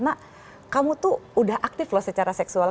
nak kamu tuh udah aktif loh secara seksual